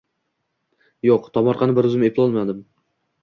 Jo‘q, tomorqani bir o‘zim eplolmadim